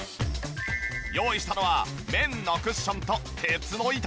用意したのは綿のクッションと鉄の板。